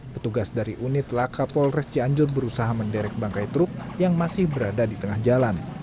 petugas dari unit laka polres cianjur berusaha menderek bangkai truk yang masih berada di tengah jalan